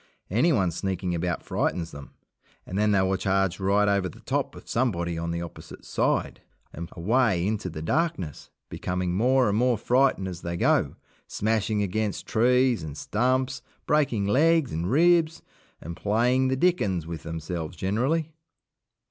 Anyone sneaking about frightens them, and then they will charge right over the top of somebody on the opposite side, and away into the darkness, becoming more and more frightened as they go, smashing against trees and stumps, breaking legs and ribs, and playing the dickens with themselves generally.